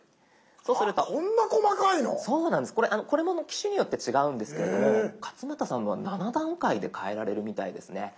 そうなんですこれも機種によって違うんですけれども勝俣さんのは７段階で変えられるみたいですね。